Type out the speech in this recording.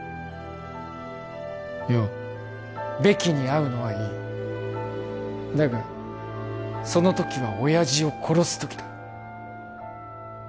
ようベキに会うのはいいだがその時は親父を殺す時だ